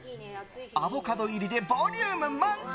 アボカド入りでボリューム満点。